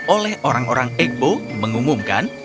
oleh orang orang eko mengumumkan